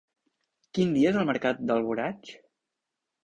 Quin dia és el mercat d'Alboraig?